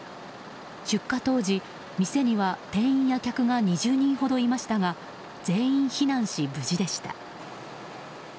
出火当時、店には店員や客が２０人ほどいましたが全員避難し、無事でした。